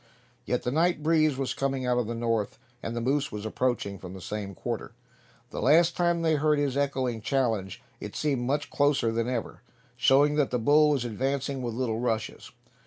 Yes, the night breeze was coming out of the north, and the moose was approaching from the same quarter. The last time they heard his echoing challenge it seemed much closer than ever, showing that the bull was advancing with little rushes.